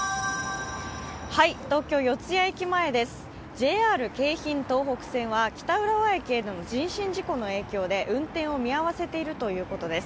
ＪＲ京浜東北線は北浦和駅での人身事故の影響で運転を見合わせているということです。